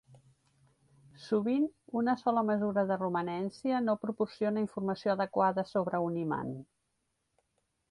Sovint una sola mesura de romanència no proporciona informació adequada sobre un imant.